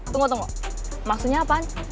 tunggu tunggu maksudnya apa